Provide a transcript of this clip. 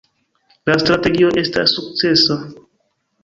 La strategio estas sukcesa.